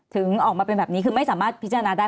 ถึงออกมาเป็นแบบนี้คือไม่สามารถพิจารณาได้